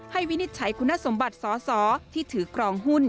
วินิจฉัยคุณสมบัติสอสอที่ถือครองหุ้น